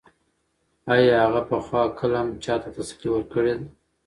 ایا هغې پخوا کله هم چا ته تسلي ورکړې ده؟